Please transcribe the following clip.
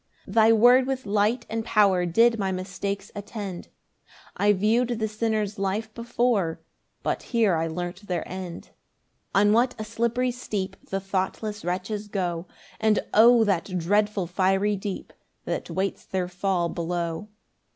8 Thy word with light and power Did my mistakes attend; I view'd the sinners' life before, But here I learnt their end. 9 On what a slippery steep The thoughtless wretches go; And O that dreadful fiery deep That waits their fall below.